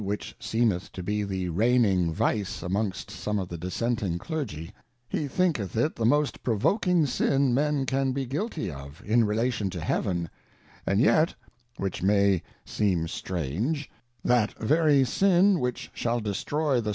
which seemeth to be the reigning Vice amongst, some xjltheJQissenting Clergy, he thinketh it the most provoking sin Men can be guilty of, in Relation to Heaven, and yet (which may seem strange) that very sin _whichshall^jdestroy the.